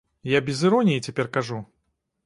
Я без іроніі цяпер кажу.